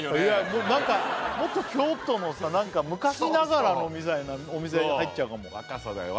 もうなんかもっと京都のさなんか昔ながらのみたいなお店に入っちゃうかも若さだよ